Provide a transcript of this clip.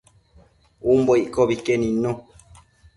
umbo iccobi que nidnu